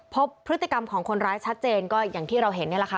พบพฤติกรรมของคนร้ายชัดเจนก็อย่างที่เราเห็นนี่แหละค่ะ